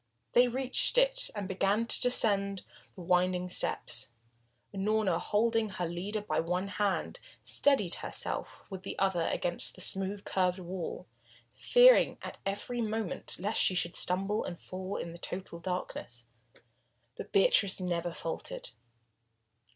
They reached it, and began to descend the winding steps. Unorna, holding her leader by one hand, steadied herself with the other against the smooth, curved wall, fearing at every moment lest she should stumble and fall in the total darkness. But Beatrice never faltered.